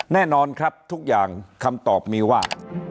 แน่นอนครับทุกอย่างคำตอบมีว่า